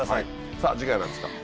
さぁ次回は何ですか？